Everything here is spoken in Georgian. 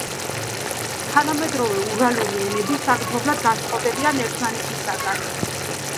თანამედროვე ურალური ენები საგრძნობლად განსხვავდებიან ერთმანეთისაგან.